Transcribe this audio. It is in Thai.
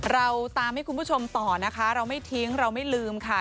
เราตามให้คุณผู้ชมต่อนะคะเราไม่ทิ้งเราไม่ลืมค่ะ